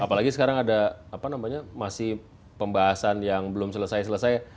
apalagi sekarang ada apa namanya masih pembahasan yang belum selesai selesai